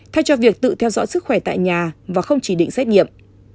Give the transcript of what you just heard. thay cho việc tự theo dõi sức khỏe tại nhà và không chỉ định xét nghiệm